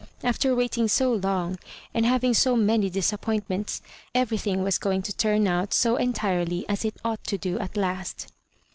After waiting so long, and having so many disap pointments, everthing was going to turn out so entirely as it ought to do at last.